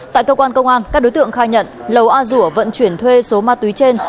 tại cơ quan công an các đối tượng khai nhận lầu a rủa vận chuyển thuê số ma túy trên